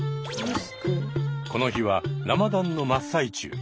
この日はラマダンの真っ最中。